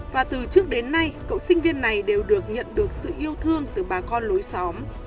và từ trước đến nay cậu sinh viên này đều được nhận được sự yêu thương từ bà con lối xóm